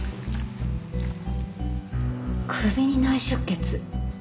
首に内出血。